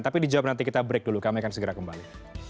tapi dijawab nanti kita break dulu kami akan segera kembali